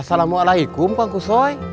assalamualaikum pang kusoy